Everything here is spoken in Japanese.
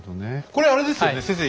これあれですよね先生。